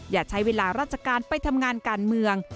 อย่าใช้เวลาราชการไปทำงานการเมือง